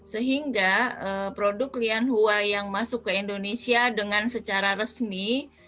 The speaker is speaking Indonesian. sehingga produk lian hua yang masuk ke indonesia dengan secara resmi